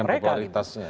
oh menaikkan popularitas